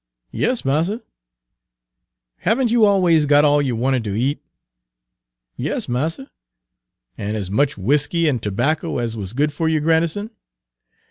"Yas, marster." "Haven't you always got all you wanted to eat?" "Yas, marster." "And as much whiskey and tobacco as was good for you, Grandison?"